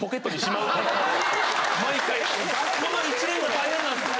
この一連が大変なんすよ。